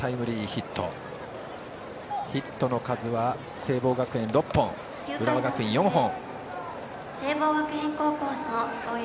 ヒットの数は聖望学園６本浦和学院４本。